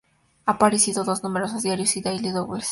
Ha aparecido en numerosos diarios y Daily Doubles.